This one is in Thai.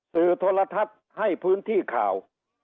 สื่อโทรทัศน์ให้พื้นที่ข่าว